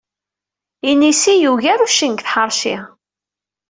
Inisi yugar uccen deg tḥeṛci.